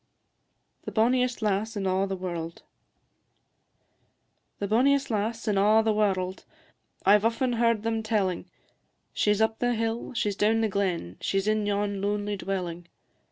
THE BONNIEST LASS IN A' THE WARLD. The bonniest lass in a' the warld, I 've often heard them telling, She 's up the hill, she 's down the glen, She 's in yon lonely dwelling.